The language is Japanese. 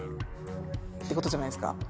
ってことじゃないですか。